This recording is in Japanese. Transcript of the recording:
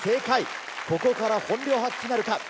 ここから本領発揮なるか。